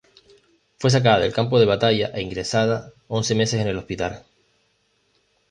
Fue sacada del campo de batalla e ingresada once meses en el hospital.